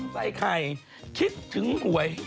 ใส่ไข่คิดถึงหวย